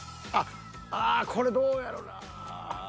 ああこれどうやろなぁ？